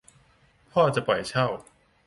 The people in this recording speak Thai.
พ่อจะปล่อยเช่า